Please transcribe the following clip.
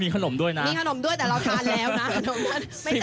มีขนมด้วยน่ะแต่เราทานแล้วนะไม่ใช่